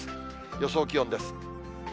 予想気温です。